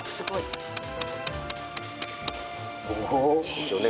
一応ね